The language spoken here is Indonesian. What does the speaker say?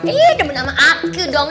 ih udah bener sama aku dong